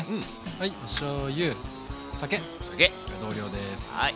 はいおしょうゆ酒同量です。